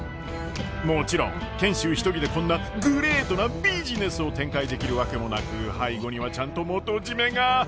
もちろん賢秀一人でこんなグレイトなビジネスを展開できるわけもなく背後にはちゃんと元締めが。